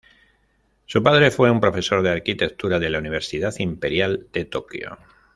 Su padre fue un profesor de arquitectura de la Universidad Imperial de Tokio.